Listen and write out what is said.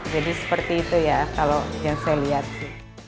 jadi seperti itu ya kalau yang saya lihat sih